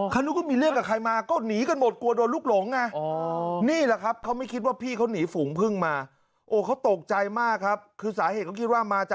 รังพึ่งก็อยู่ไอ้หอที่พี่เขาวิ่งเข้าไปตอนแรก